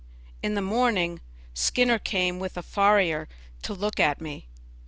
In the morning Skinner came with a farrier to look at me.